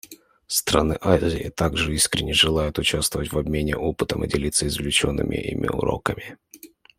Страны Азии также искренне желают участвовать в обмене опытом и делиться извлеченными ими уроками.